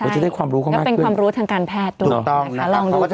จะได้ความรู้ข้อมากขึ้นถูกต้องนะคะลองดูทุกชมแล้วเป็นความรู้ทางการแพทย์